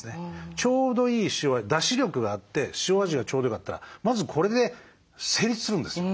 出汁力があって塩味がちょうどよかったらまずこれで成立するんですよ